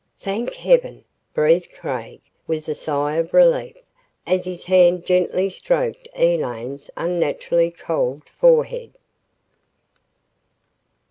"Thank heaven," breathed Craig, with a sigh of relief, as his hand gently stroked Elaine's unnaturally cold forehead.